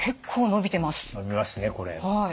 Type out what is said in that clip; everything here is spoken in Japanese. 伸びますねこれ。